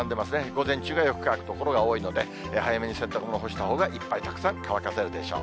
午前中がよく乾く所が多いので、早めに洗濯物干したほうが、いっぱいたくさん乾かせるでしょう。